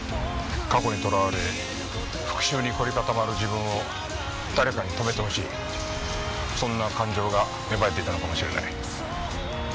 過去にとらわれ復讐に凝り固まる自分を誰かに止めてほしいそんな感情が芽生えていたのかもしれない。